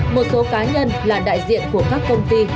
một số cá nhân là đại diện của các công ty